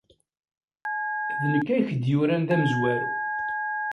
D nekk ay ak-d-yuran d amezwaru.